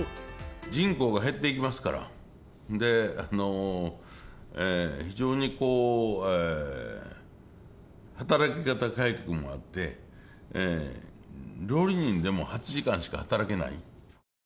人口が減っていきますから、非常に働き改革もあって、料理人でも８時間しか働けない。